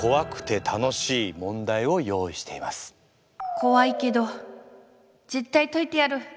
こわいけど絶対といてやる！